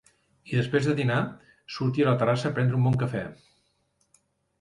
I després de dinar, sortia a la terrassa a prendre un bon cafè.